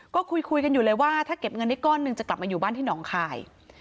ก็คุยกันอยู่เลยว่าถ้าเก็บเงินได้ก้อนหนึ่งจะกลับมาอยู่บ้านที่หนองคาย